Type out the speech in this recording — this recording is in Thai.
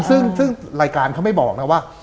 ซึ่งรายการเขาไม่บอกนะว่า